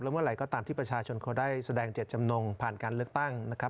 เมื่อไหร่ก็ตามที่ประชาชนเขาได้แสดงเจ็ดจำนงผ่านการเลือกตั้งนะครับ